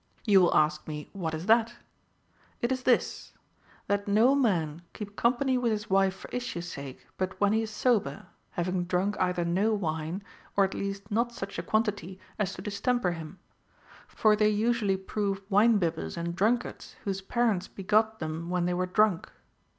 You will ask me what is that 1 It is this : that no man keep com pany with his wife for issue's sake but when he is sober, having drunk either no wine, or at least not such a quan tity as to distemper him ; for they usually prove Λvine bibbers and drunkards, whose parents begot them when they were drunk.